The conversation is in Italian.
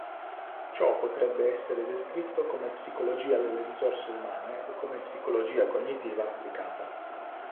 Ciò potrebbe essere descritto come psicologia delle risorse umane o come psicologia cognitiva applicata.